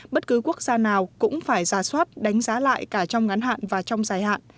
bất cứ quốc gia nào cũng phải ra soát đánh giá lại cả trong ngắn hạn và trong dài hạn